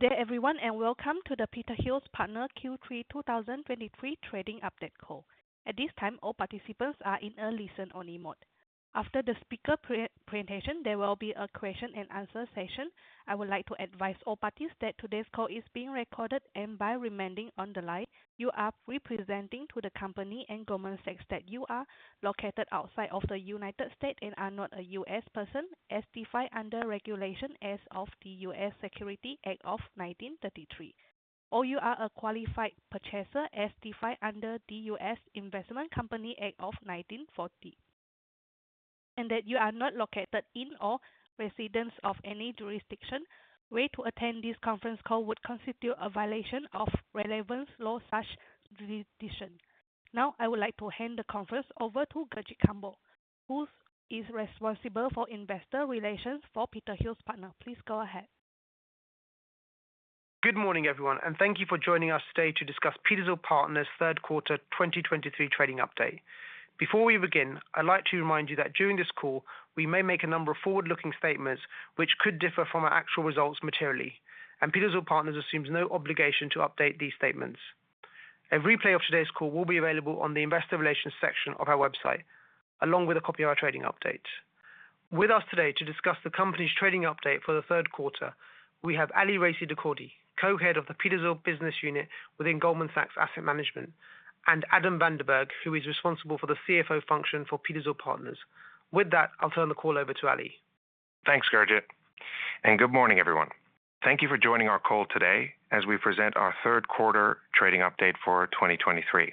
Good day everyone, and welcome to the Petershill Partners Q3 2023 Trading Update call. At this time, all participants are in a listen-only mode. After the speaker presentation, there will be a question and answer session. I would like to advise all parties that today's call is being recorded, and by remaining on the line, you are representing to the company and Goldman Sachs that you are located outside of the United States and are not a U.S. person, as defined under Regulation S of the U.S. Securities Act of 1933, or you are a qualified purchaser as defined under the U.S. Investment Company Act of 1940, and that you are not located in or residents of any jurisdiction where to attend this conference call would constitute a violation of relevant laws such jurisdiction. Now, I would like to hand the conference over to Gurjit Kambo, who is responsible for investor relations for Petershill Partners. Please go ahead. Good morning, everyone, and thank you for joining us today to discuss Petershill Partners' third quarter 2023 trading update. Before we begin, I'd like to remind you that during this call, we may make a number of forward-looking statements which could differ from our actual results materially, and Petershill Partners assumes no obligation to update these statements. A replay of today's call will be available on the investor relations section of our website, along with a copy of our trading update. With us today to discuss the company's trading update for the third quarter, we have Ali Raissi-Dehkordy, Co-Head of the Petershill Business Unit within Goldman Sachs Asset Management, and Adam Van de Berghe, who is responsible for the CFO function for Petershill Partners. With that, I'll turn the call over to Ali. Thanks, Gurjit, and good morning, everyone. Thank you for joining our call today as we present our third quarter trading update for 2023.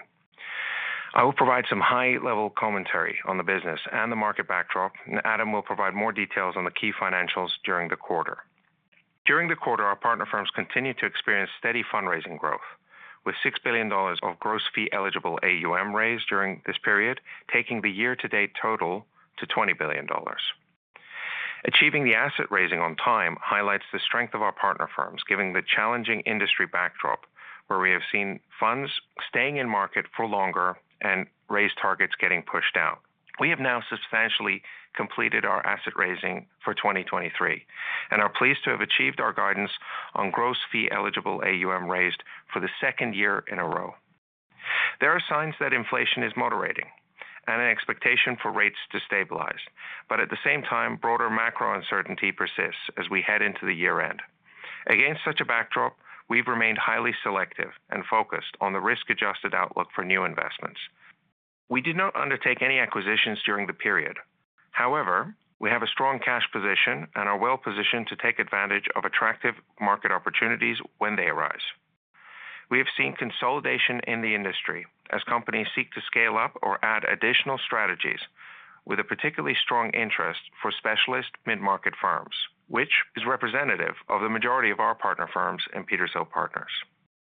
I will provide some high-level commentary on the business and the market backdrop, and Adam will provide more details on the key financials during the quarter. During the quarter, our partner firms continued to experience steady fundraising growth, with $6 billion of gross fee-eligible AUM raised during this period, taking the year-to-date total to $20 billion. Achieving the asset raising on time highlights the strength of our partner firms, given the challenging industry backdrop where we have seen funds staying in market for longer and raise targets getting pushed out. We have now substantially completed our asset raising for 2023 and are pleased to have achieved our guidance on gross fee-eligible AUM raised for the second year in a row. There are signs that inflation is moderating and an expectation for rates to stabilize, but at the same time, broader macro uncertainty persists as we head into the year-end. Against such a backdrop, we've remained highly selective and focused on the risk-adjusted outlook for new investments. We did not undertake any acquisitions during the period. However, we have a strong cash position and are well positioned to take advantage of attractive market opportunities when they arise. We have seen consolidation in the industry as companies seek to scale up or add additional strategies with a particularly strong interest for specialist mid-market firms, which is representative of the majority of our partner firms in Petershill Partners.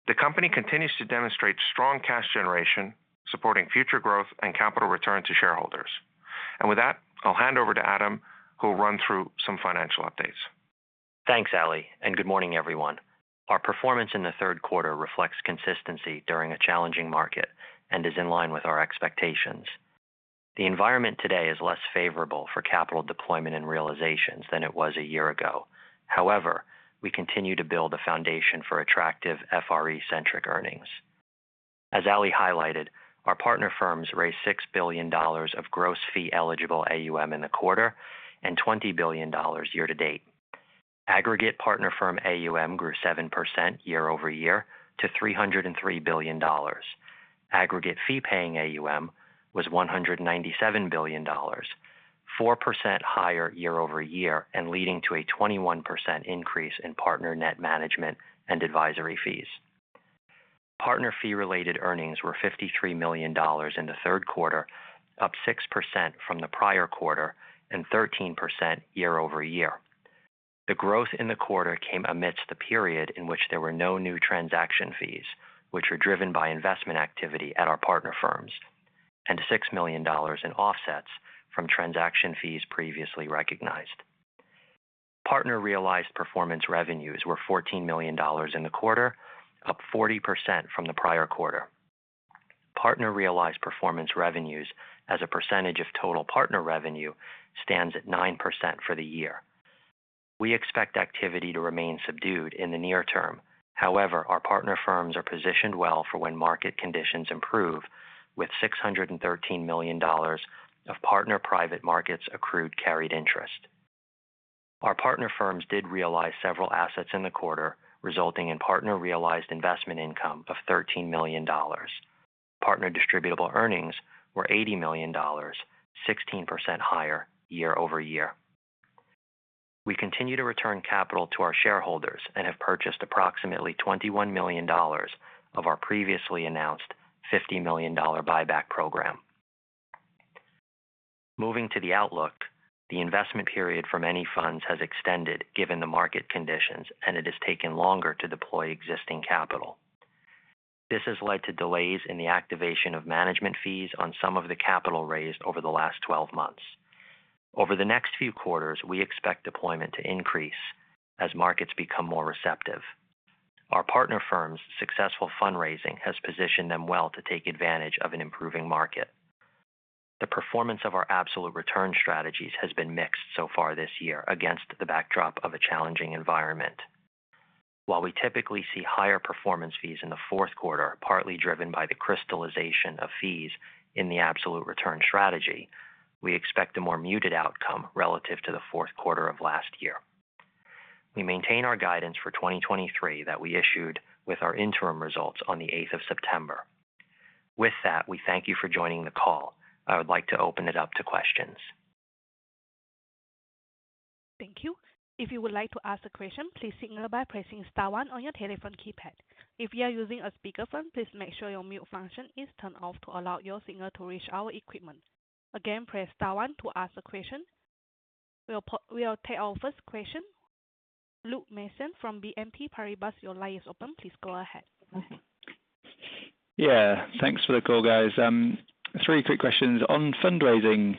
The company continues to demonstrate strong cash generation, supporting future growth and capital return to shareholders. With that, I'll hand over to Adam, who will run through some financial updates. Thanks Ali, and good morning, everyone. Our performance in the third quarter reflects consistency during a challenging market and is in line with our expectations. The environment today is less favorable for capital deployment and realizations than it was a year ago. However, we continue to build a foundation for attractive FRE-centric earnings. As Ali highlighted, our partner firms raised $6 billion of gross fee-eligible AUM in the quarter and $20 billion year to date. Aggregate partner firm AUM grew 7% year-over-year to $303 billion. Aggregate fee-paying AUM was $197 billion, 4% higher year-over-year, and leading to a 21% increase in partner net management and advisory fees. Partner fee-related earnings were $53 million in the third quarter, up 6% from the prior quarter and 13% year-over-year. The growth in the quarter came amidst the period in which there were no new transaction fees, which were driven by investment activity at our partner firms, and $6 million in offsets from transaction fees previously recognized. Partner realized performance revenues were $14 million in the quarter, up 40% from the prior quarter. Partner realized performance revenues as a percentage of total partner revenue stands at 9% for the year. We expect activity to remain subdued in the near term. However, our partner firms are positioned well for when market conditions improve with $613 million of partner private markets accrued carried interest. Our partner firms did realize several assets in the quarter, resulting in partner realized investment income of $13 million. Partner distributable earnings were $80 million, 16% higher year over year. We continue to return capital to our shareholders and have purchased approximately $21 million of our previously announced $50 million buyback program. Moving to the outlook, the investment period for many funds has extended given the market conditions, and it has taken longer to deploy existing capital. This has led to delays in the activation of management fees on some of the capital raised over the last 12 months. Over the next few quarters, we expect deployment to increase as markets become more receptive. Our partner firms' successful fundraising has positioned them well to take advantage of an improving market. The performance of our absolute return strategies has been mixed so far this year against the backdrop of a challenging environment. While we typically see higher performance fees in the fourth quarter, partly driven by the crystallization of fees in the absolute return strategy, we expect a more muted outcome relative to the fourth quarter of last year. We maintain our guidance for 2023 that we issued with our interim results on the eighth of September. With that, we thank you for joining the call. I would like to open it up to questions. Thank you. If you would like to ask a question, please signal by pressing star one on your telephone keypad. If you are using a speakerphone, please make sure your mute function is turned off to allow your signal to reach our equipment. Again, press star one to ask a question. We'll take our first question. Luke Mason from BNP Paribas, your line is open. Please go ahead. Yeah, thanks for the call, guys. Three quick questions. On fundraising,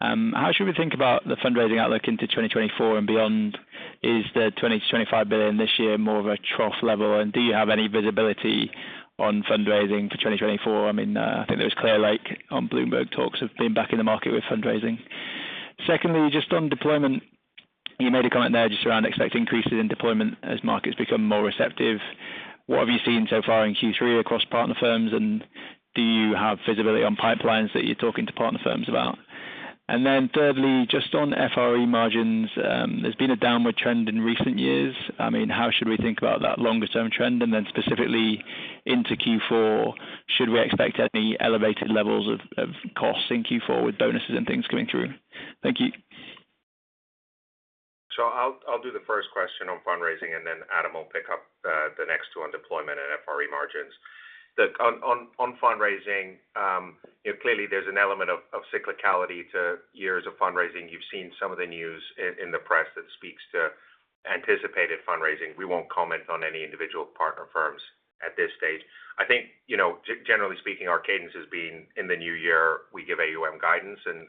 how should we think about the fundraising outlook into 2024 and beyond? Is the $20 billion-$25 billion this year more of a trough level, and do you have any visibility on fundraising for 2024? I mean, I think there was Clearlake Capital on Bloomberg Talks have been back in the market with fundraising. Secondly, just on deployment, you made a comment there just around expecting increases in deployment as markets become more receptive. What have you seen so far in Q3 across partner firms, and do you have visibility on pipelines that you're talking to partner firms about? And then thirdly, just on FRE margins, there's been a downward trend in recent years. I mean, how should we think about that longer-term trend? And then specifically into Q4, should we expect any elevated levels of costs in Q4 with bonuses and things coming through? Thank you. So I'll do the first question on fundraising, and then Adam will pick up the next two on deployment and FRE margins. On fundraising, clearly there's an element of cyclicality to years of fundraising. You've seen some of the news in the press that speaks to anticipated fundraising. We won't comment on any individual partner firms at this stage. I think, you know, generally speaking, our cadence has been in the new year, we give AUM guidance, and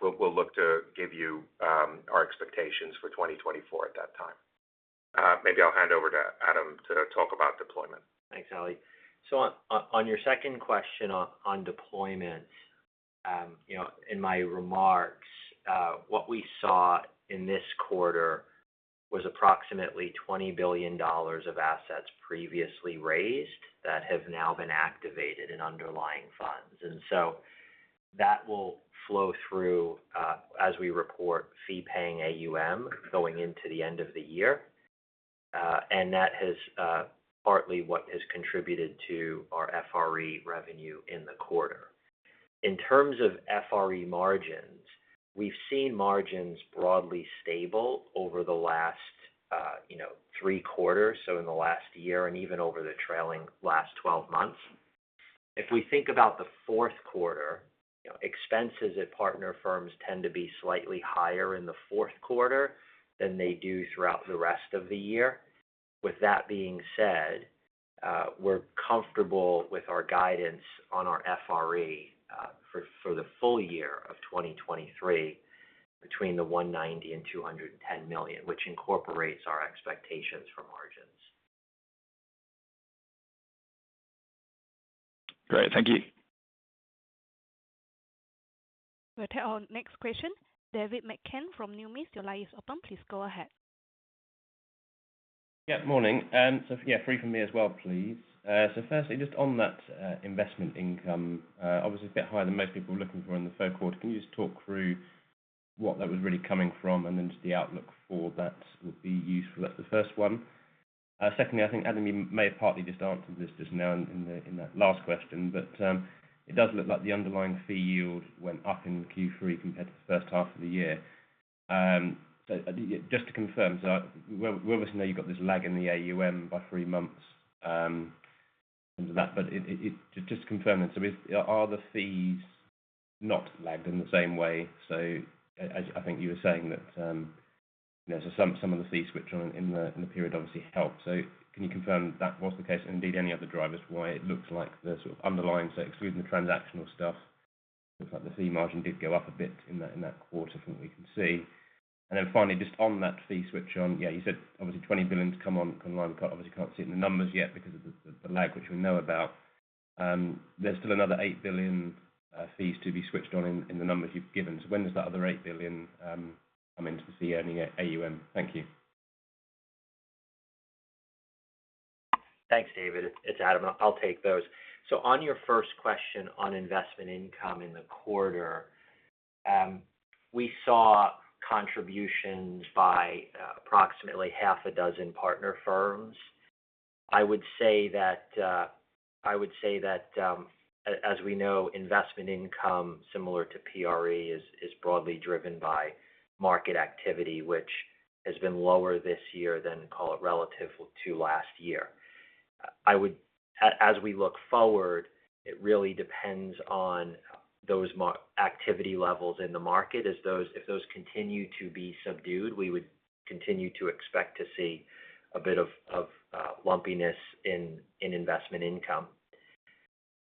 we'll look to give you our expectations for 2024 at that time. Maybe I'll hand over to Adam to talk about deployment. Thanks, Ali. So on your second question on deployment, you know, in my remarks, what we saw in this quarter was approximately $20 billion of assets previously raised that have now been activated in underlying funds. And so that will flow through, as we report, fee-paying AUM going into the end of the year, and that is, partly what has contributed to our FRE revenue in the quarter. In terms of FRE margins, we've seen margins broadly stable over the last, you know, three quarters, so in the last year and even over the trailing last 12 months. If we think about the fourth quarter, expenses at partner firms tend to be slightly higher in the fourth quarter than they do throughout the rest of the year. With that being said, we're comfortable with our guidance on our FRE for the full year of 2023, between $190 million and $210 million, which incorporates our expectations for margins. Great. Thank you. We'll take our next question. David McCann from Numis, your line is open. Please go ahead. Yeah. Morning, so yeah, three from me as well, please. So firstly, just on that, investment income, obviously a bit higher than most people were looking for in the third quarter. Can you just talk through what that was really coming from, and then just the outlook for that would be useful. That's the first one. Secondly, I think Adam, you may have partly just answered this just now in the, in that last question, but, it does look like the underlying fee yield went up in the Q3 compared to the first half of the year. So just to confirm, so we obviously know you've got this lag in the AUM by three months, into that, but it, it just to confirm, so are the fees not lagged in the same way? So I think you were saying that, you know, so some of the fees switched on in the period obviously helped. So can you confirm that was the case and indeed any other drivers why it looks like the sort of underlying, so excluding the transactional stuff, looks like the fee margin did go up a bit in that quarter from what we can see. And then finally, just on that fee switch on, yeah, you said obviously $20 billion to come on, come online. We obviously can't see it in the numbers yet because of the lag, which we know about. There's still another $8 billion fees to be switched on in the numbers you've given. So when does that other $8 billion come into the earning AUM? Thank you. Thanks, David. It's Adam. I'll take those. So on your first question on investment income in the quarter, we saw contributions by approximately half a dozen partner firms. I would say that as we know, investment income similar to PRE is broadly driven by market activity, which has been lower this year than call it relative to last year. As we look forward, it really depends on those market activity levels in the market. If those continue to be subdued, we would continue to expect to see a bit of lumpiness in investment income.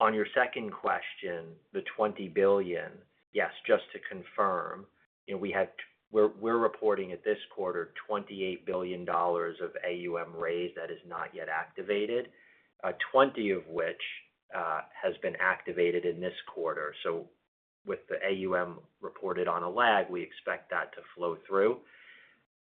On your second question, the $20 billion, yes, just to confirm, you know, we had We're reporting at this quarter, $28 billion of AUM raised that is not yet activated, twenty of which has been activated in this quarter. So with the AUM reported on a lag, we expect that to flow through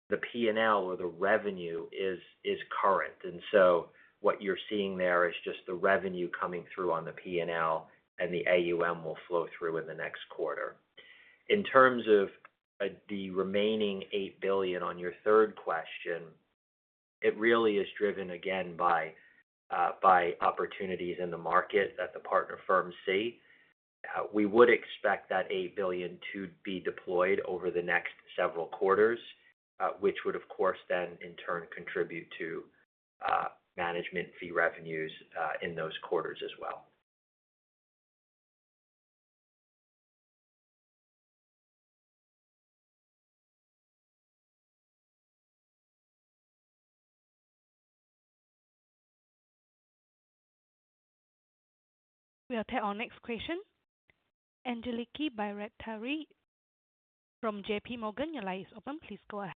the P&L or the revenue is current. And so what you're seeing there is just the revenue coming through on the P&L, and the AUM will flow through in the next quarter. In terms of the remaining eight billion on your third question, it really is driven again by by opportunities in the market that the partner firms see. We would expect that eight billion to be deployed over the next several quarters, which would, of course, then in turn contribute to management fee revenues in those quarters as well. We'll take our next question. Angeliki Bairaktari from JP Morgan, your line is open. Please go ahead.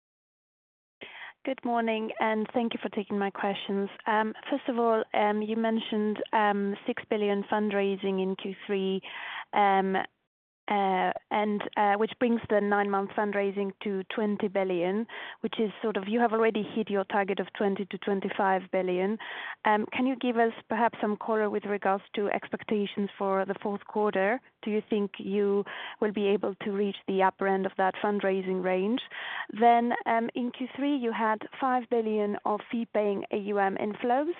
Good morning, and thank you for taking my questions. First of all, you mentioned $6 billion fundraising in Q3, and which brings the nine-month fundraising to $20 billion, which is sort of you have already hit your target of $20-$25 billion. Can you give us perhaps some color with regards to expectations for the fourth quarter? Do you think you will be able to reach the upper end of that fundraising range? Then, in Q3, you had $5 billion of fee-paying AUM inflows.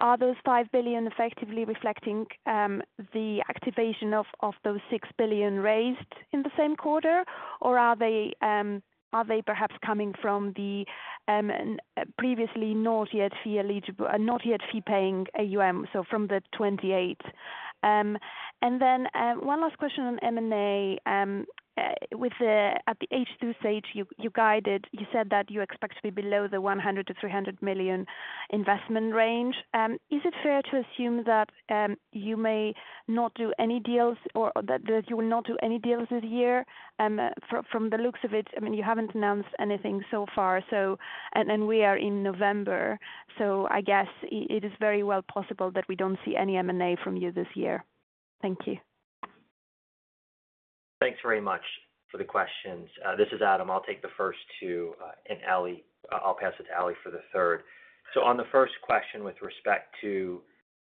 Are those $5 billion effectively reflecting the activation of those $6 billion raised in the same quarter? Or are they perhaps coming from the previously not yet fee-paying AUM, so from the $28 billion? And then, one last question on M&A. With that at the H2 stage, you guided, you said that you expect to be below the $100 million-$300 million investment range. Is it fair to assume that you may not do any deals or that you will not do any deals this year? From the looks of it, I mean, you haven't announced anything so far, so—and we are in November. So I guess it is very well possible that we don't see any M&A from you this year. Thank you. Thanks very much for the questions. This is Adam. I'll take the first two, and Ali, I'll pass it to Ali for the third. So on the first question, with respect to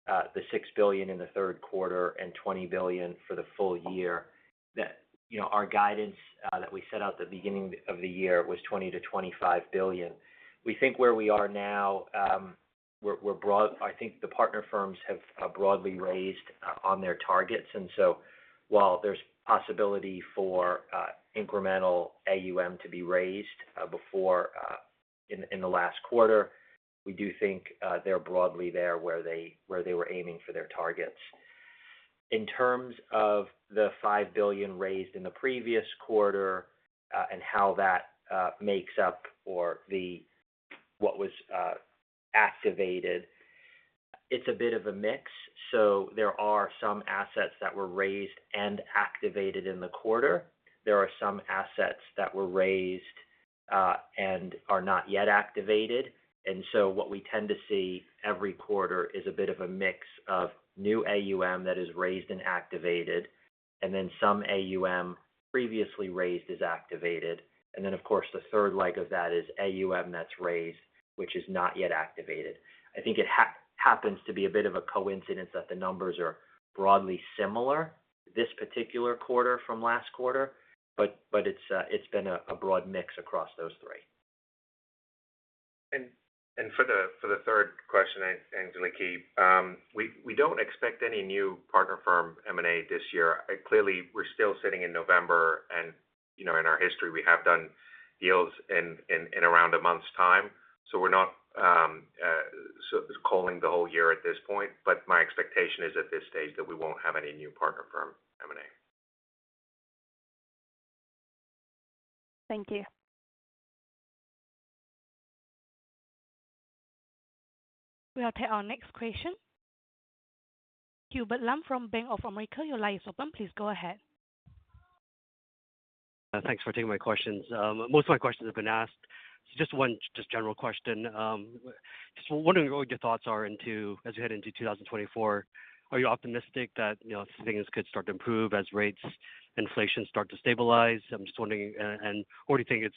the $6 billion in the third quarter and $20 billion for the full year, that. You know, our guidance that we set out at the beginning of the year was $20-$25 billion. We think where we are now, we're broad. I think the partner firms have broadly raised on their targets, and so while there's possibility for incremental AUM to be raised before in the last quarter, we do think they're broadly there where they were aiming for their targets. In terms of the $5 billion raised in the previous quarter, and how that makes up for the, what was activated, it's a bit of a mix. So there are some assets that were raised and activated in the quarter. There are some assets that were raised, and are not yet activated. And so what we tend to see every quarter is a bit of a mix of new AUM that is raised and activated, and then some AUM previously raised is activated. And then, of course, the third leg of that is AUM that's raised, which is not yet activated. I think it happens to be a bit of a coincidence that the numbers are broadly similar this particular quarter from last quarter, but, but it's, it's been a, a broad mix across those three. For the third question, Angeliki, we don't expect any new partner firm M&A this year. Clearly, we're still sitting in November and, you know, in our history, we have done deals in around a month's time, so we're not calling the whole year at this point, but my expectation is at this stage that we won't have any new partner firm M&A. Thank you. We'll take our next question. Hubert Lam from Bank of America, your line is open. Please go ahead. Thanks for taking my questions. Most of my questions have been asked. Just one, just general question. Just wondering what your thoughts are as we head into 2024. Are you optimistic that, you know, things could start to improve as rates, inflation start to stabilize? I'm just wondering, and or do you think it's,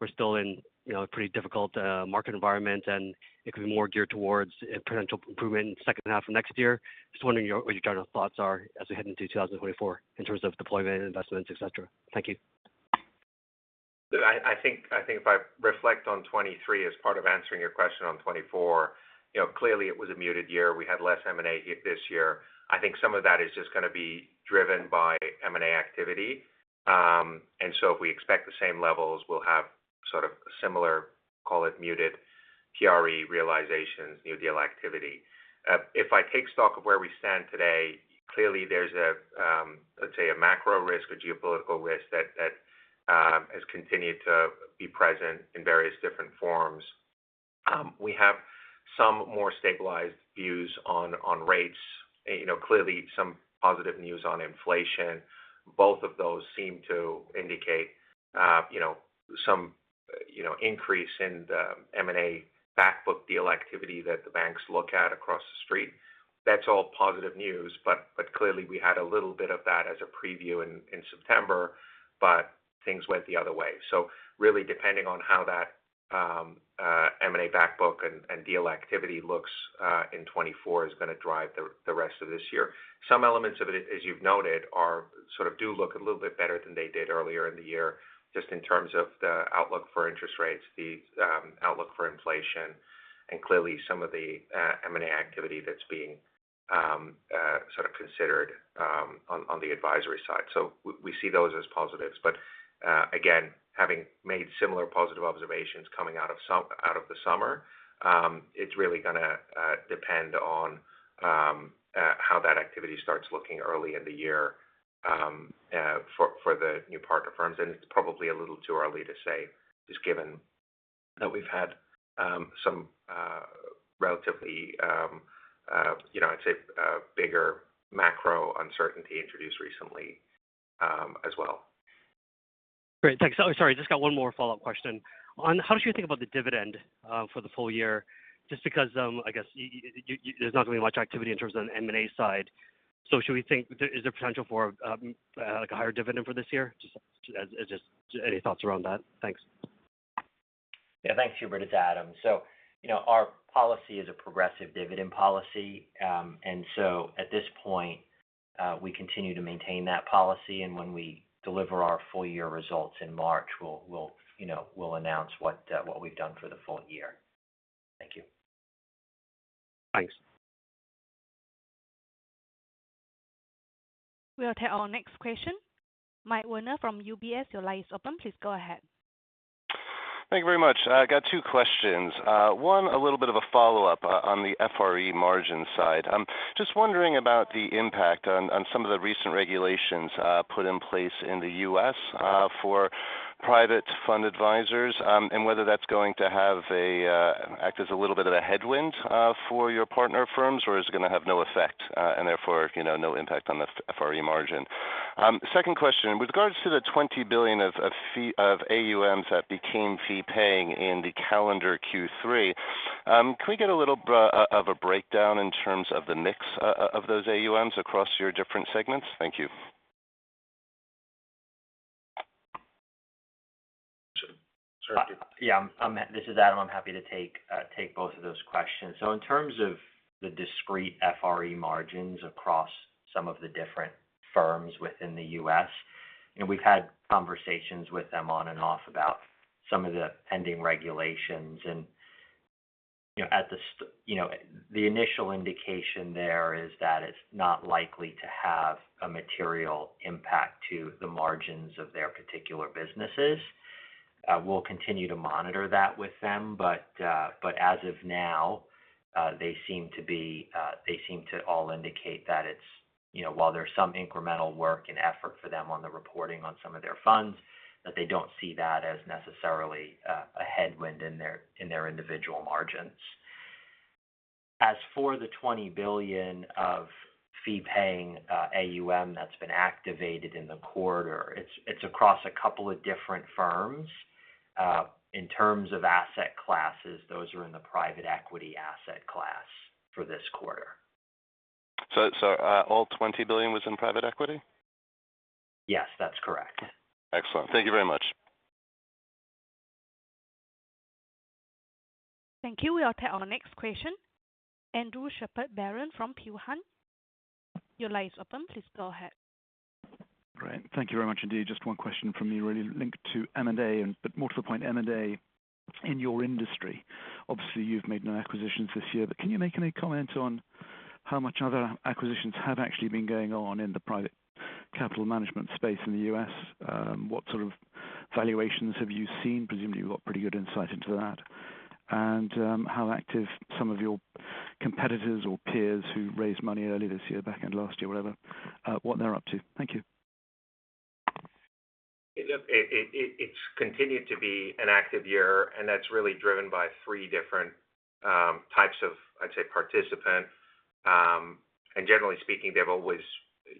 we're still in, you know, a pretty difficult market environment, and it could be more geared towards a potential improvement in the second half of next year? Just wondering what your general thoughts are as we head into 2024 in terms of deployment, investments, et cetera. Thank you. I think if I reflect on 2023 as part of answering your question on 2024, you know, clearly it was a muted year. We had less M&A this year. I think some of that is just gonna be driven by M&A activity. So if we expect the same levels, we'll have sort of similar, call it, muted PRE realizations, new deal activity. If I take stock of where we stand today, clearly there's a, let's say, a macro risk or geopolitical risk that has continued to be present in various different forms. We have some more stabilized views on rates. You know, clearly some positive news on inflation. Both of those seem to indicate, you know, some increase in the M&A back book deal activity that the banks look at across the street. That's all positive news, but, but clearly, we had a little bit of that as a preview in September, but things went the other way. So really, depending on how that M&A back book and deal activity looks in 2024 is going to drive the rest of this year. Some elements of it, as you've noted, are sort of do look a little bit better than they did earlier in the year, just in terms of the outlook for interest rates, the outlook for inflation, and clearly, some of the M&A activity that's being sort of considered on the advisory side. So we see those as positives. But, again, having made similar positive observations coming out of the summer, it's really gonna depend on how that activity starts looking early in the year, for the new partner firms. And it's probably a little too early to say, just given that we've had some relatively, you know, I'd say, bigger macro uncertainty introduced recently, as well. Great. Thanks. So sorry, just got one more follow-up question. On how should you think about the dividend for the full year? Just because, I guess there's not gonna be much activity in terms of the M&A side. So should we think... Is there potential for, like, a higher dividend for this year? Just any thoughts around that? Thanks. Yeah, thanks, Hubert. It's Adam. So, you know, our policy is a progressive dividend policy. And so at this point, we continue to maintain that policy, and when we deliver our full year results in March, we'll, you know, we'll announce what we've done for the full year. Thank you. Thanks. We'll take our next question. Mike Werner from UBS, your line is open. Please go ahead. Thank you very much. I got two questions. One, a little bit of a follow-up on the FRE margin side. Just wondering about the impact on some of the recent regulations put in place in the U.S. for private fund advisors, and whether that's going to act as a little bit of a headwind for your partner firms, or is it going to have no effect, and therefore, you know, no impact on the FRE margin? Second question: With regards to the $20 billion of fee AUM that became fee paying in the calendar Q3, can we get a little bit of a breakdown in terms of the mix of those AUMs across your different segments? Thank you. Yeah, this is Adam. I'm happy to take, take both of those questions. So in terms of the discrete FRE margins across some of the different firms within the US, you know, we've had conversations with them on and off about some of the pending regulations. And, you know, at the you know, the initial indication there is that it's not likely to have a material impact to the margins of their particular businesses. We'll continue to monitor that with them, but, but as of now, they seem to be, they seem to all indicate that it's, you know, while there's some incremental work and effort for them on the reporting on some of their funds, that they don't see that as necessarily, a headwind in their, in their individual margins. As for the $20 billion of fee-paying AUM that's been activated in the quarter, it's across a couple of different firms. In terms of asset classes, those are in the private equity asset class for this quarter. So, all $20 billion was in private equity? Yes, that's correct. Excellent. Thank you very much. Thank you. We'll take our next question. Andrew Shepherd-Barron from Peel Hunt. Your line is open. Please go ahead. Great. Thank you very much indeed. Just one question from me, really linked to M&A and but more to the point, M&A in your industry. Obviously, you've made no acquisitions this year, but can you make any comment on how much other acquisitions have actually been going on in the private capital management space in the U.S.? What sort of valuations have you seen? Presumably, you've got pretty good insight into that. And, how active some of your competitors or peers who raised money early this year, back end last year, whatever, what they're up to? Thank you. It's continued to be an active year, and that's really driven by three different types of, I'd say, participants. Generally speaking, they've always,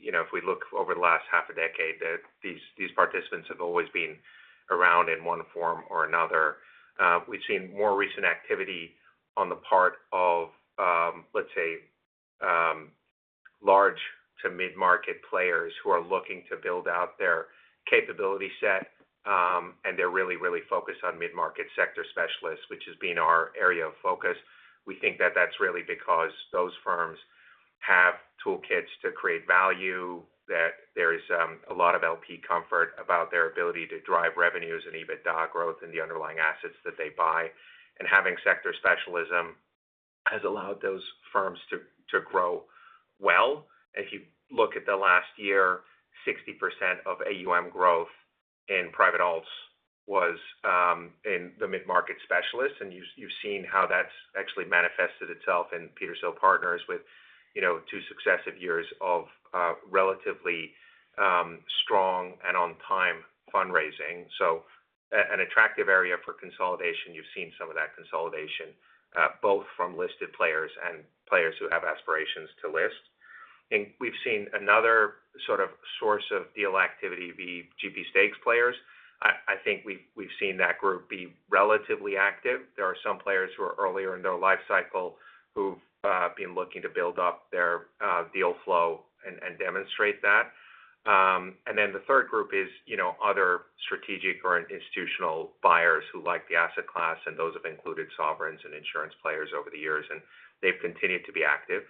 you know, if we look over the last half a decade, that these participants have always been around in one form or another. We've seen more recent activity on the part of, let's say, large to mid-market players who are looking to build out their capability set, and they're really, really focused on mid-market sector specialists, which has been our area of focus. We think that that's really because those firms have toolkits to create value, that there is a lot of LP comfort about their ability to drive revenues and EBITDA growth in the underlying assets that they buy. Having sector specialism has allowed those firms to grow well. If you look at the last year, 60% of AUM growth in private alts was in the mid-market specialists, and you've seen how that's actually manifested itself in Petershill Partners with, you know, two successive years of relatively strong and on-time fundraising. So an attractive area for consolidation. You've seen some of that consolidation both from listed players and players who have aspirations to list. And we've seen another sort of source of deal activity, the GP stakes players. I think we've seen that group be relatively active. There are some players who are earlier in their life cycle who've been looking to build up their deal flow and demonstrate that. And then the third group is, you know, other strategic or institutional buyers who like the asset class, and those have included sovereigns and insurance players over the years, and they've continued to be active.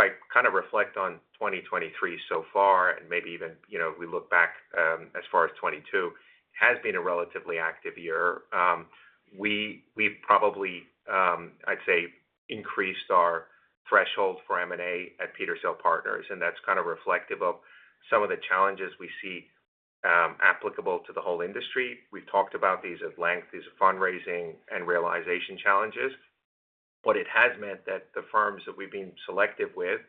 If I kind of reflect on 2023 so far, and maybe even, you know, we look back, as far as 2022, has been a relatively active year. We've probably, I'd say, increased our threshold for M&A at Petershill Partners, and that's kind of reflective of some of the challenges we see, applicable to the whole industry. We've talked about these at length, these are fundraising and realization challenges. But it has meant that the firms that we've been selective with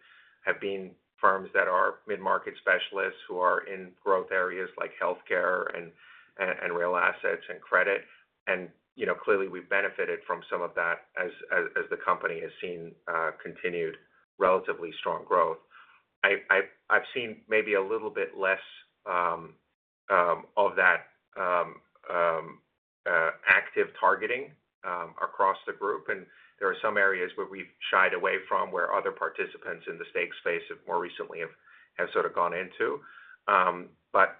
have been firms that are mid-market specialists, who are in growth areas like healthcare and real assets and credit. And, you know, clearly, we've benefited from some of that as the company has seen continued relatively strong growth. I've seen maybe a little bit less of that active targeting across the group, and there are some areas where we've shied away from, where other participants in the stake space have more recently sort of gone into. But,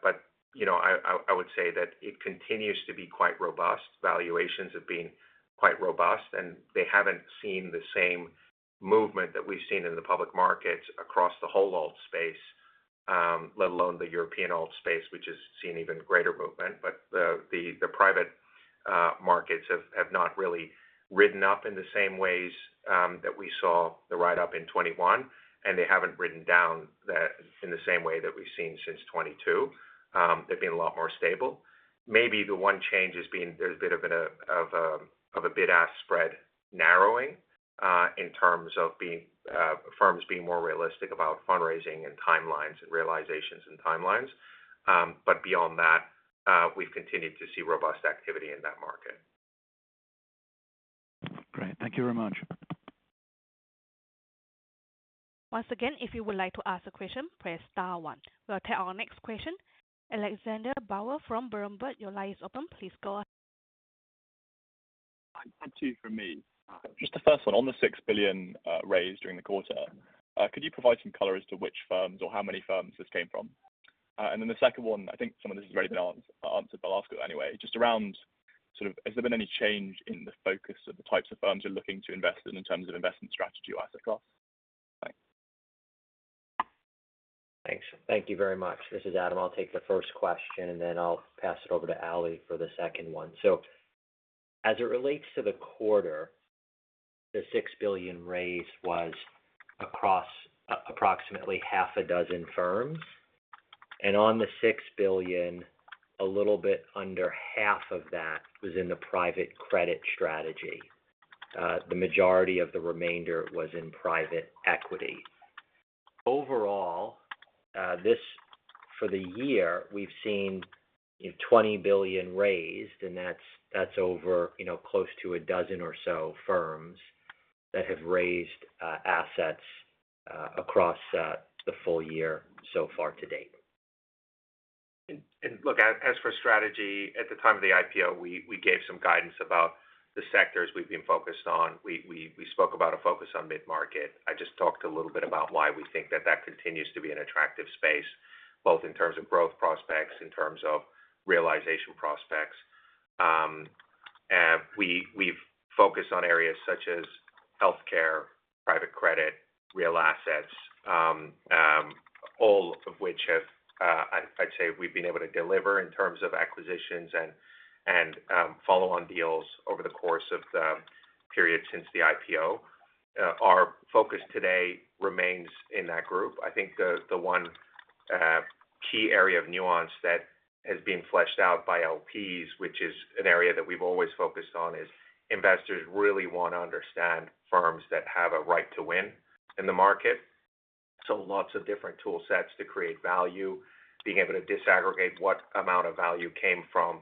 you know, I would say that it continues to be quite robust. Valuations have been quite robust, and they haven't seen the same movement that we've seen in the public markets across the whole alt space, let alone the European alt space, which has seen even greater movement. But the private markets have not really ridden up in the same ways that we saw the ride up in 2021, and they haven't ridden down in the same way that we've seen since 2022. They've been a lot more stable. Maybe the one change has been there's a bit of a bid-ask spread narrowing in terms of firms being more realistic about fundraising and timelines, and realizations and timelines. But beyond that, we've continued to see robust activity in that market. Great. Thank you very much. Once again, if you would like to ask a question, press star one. We'll take our next question. Alexander Bowers from Berenberg, your line is open. Please go ahead. I've two for me. Just the first one, on the $6 billion raised during the quarter, could you provide some color as to which firms or how many firms this came from? And then the second one, I think some of this has already been answered, but I'll ask it anyway. Just around sort of has there been any change in the focus of the types of firms you're looking to invest in, in terms of investment strategy or asset class? Thanks. Thanks. Thank you very much. This is Adam. I'll take the first question, and then I'll pass it over to Ali for the second one. So as it relates to the quarter, the $6 billion raised was across approximately half a dozen firms, and on the $6 billion, a little bit under half of that was in the private credit strategy. The majority of the remainder was in private equity. Overall, this for the year, we've seen $20 billion raised, and that's, that's over, you know, close to a dozen or so firms that have raised assets across the full year so far to date. And look, as for strategy, at the time of the IPO, we gave some guidance about the sectors we've been focused on. We spoke about a focus on mid-market. I just talked a little bit about why we think that continues to be an attractive space, both in terms of growth prospects, in terms of realization prospects. We've focused on areas such as healthcare, private credit, real assets, all of which have, I'd say we've been able to deliver in terms of acquisitions and follow-on deals over the course of the period since the IPO. Our focus today remains in that group. I think the one key area of nuance that has been fleshed out by LPs, which is an area that we've always focused on, is investors really want to understand firms that have a right to win in the market. So lots of different tool sets to create value, being able to disaggregate what amount of value came from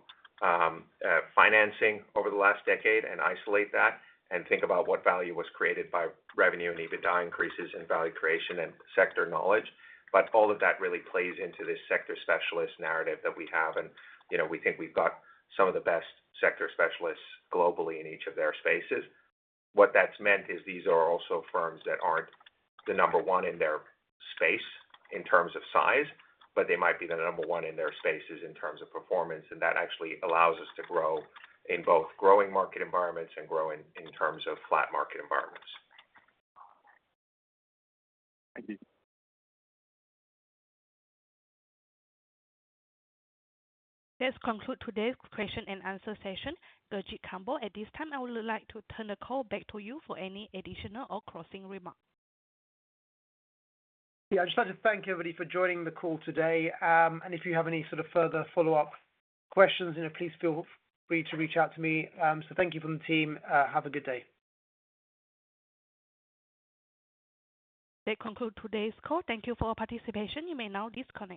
financing over the last decade and isolate that, and think about what value was created by revenue and EBITDA increases, and value creation and sector knowledge. But all of that really plays into this sector specialist narrative that we have, and, you know, we think we've got some of the best sector specialists globally in each of their spaces. What that's meant is these are also firms that aren't the number one in their space in terms of size, but they might be the number one in their spaces in terms of performance, and that actually allows us to grow in both growing market environments and grow in, in terms of flat market environments. Thank you. This concludes today's question and answer session. Gurjit Kambo, at this time, I would like to turn the call back to you for any additional or closing remarks. Yeah, I just want to thank everybody for joining the call today. And if you have any sort of further follow-up questions, you know, please feel free to reach out to me. So thank you from the team. Have a good day. That concludes today's call. Thank you for your participation. You may now disconnect.